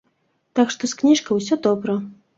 Так што з кніжкай усё добра.